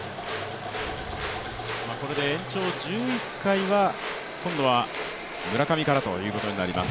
これで延長１１回は、村上からということになります。